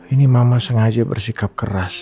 ini mama sengaja bersikap keras